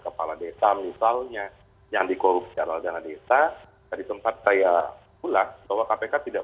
kalau kita bicara soal korupsi yang kecil itu adalah korupsi yang sedang